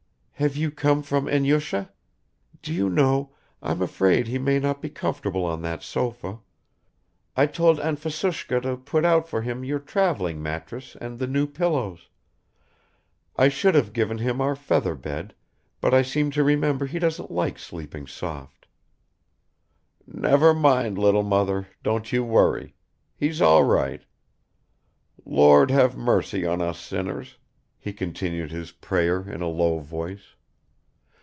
"Have you come from Enyusha? Do you know, I'm afraid he may not be comfortable on that sofa. I told Anfisushka to put out for him your traveling mattress and the new pillows; I should have given him our feather bed, but I seem to remember he doesn't like sleeping soft." "Never mind, little mother, don't you worry. He's all right. Lord have mercy on us sinners," he continued his prayer in a low voice.